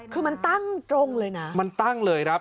คือมันตั้งตรงเลยนะมันตั้งเลยครับ